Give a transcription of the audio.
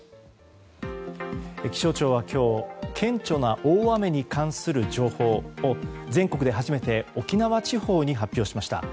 気象庁は今日顕著な大雨に関する情報を全国で初めて沖縄地方に発表しました。